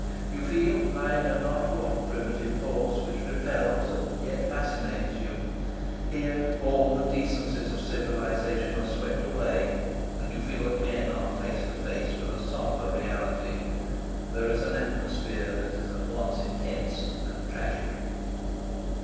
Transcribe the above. You feel I know not what primitive force which repels and yet fascinates you. Here all the decencies of civilisation are swept away, and you feel that men are face to face with a sombre reality. There is an atmosphere that is at once intense and tragic.